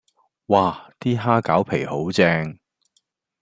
嘩 ！D 蝦餃皮好正